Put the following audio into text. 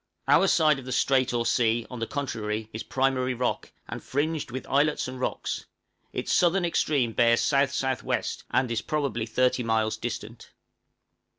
Our side of the strait or sea, on the contrary, is primary rock, and fringed with islets and rocks; its southern extreme bears S.S.W., and is probably 30 miles distant.